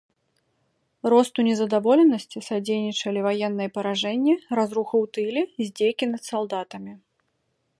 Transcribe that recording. Росту незадаволенасці садзейнічалі ваенныя паражэнні, разруха ў тыле, здзекі над салдатамі.